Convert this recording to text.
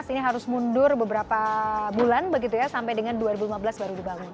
ini harus mundur beberapa bulan begitu ya sampai dengan dua ribu lima belas baru dibangun